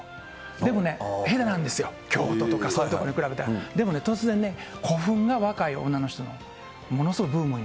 でもね、下手なんですよ、京都とか、そういう所に比べたら、でもね、突然ね、古墳が若い女の人の、古墳？